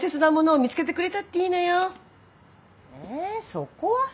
そこはさ